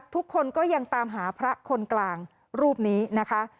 ทุกคนก็ยังตามหาพระคนกลางรูปนี้นะคะ